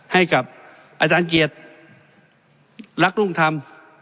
ให้กับอาจารย์เกียรติรักรุ่งธรรม